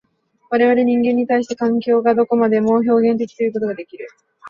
我々人間に対しては、環境がどこまでも表現的ということができる。